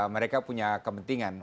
mereka punya kepentingan